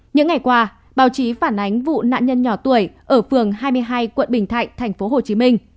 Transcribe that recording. những ngày qua báo chí phản ánh vụ nạn nhân nhỏ tuổi ở phường hai mươi hai quận bình thạnh tp hcm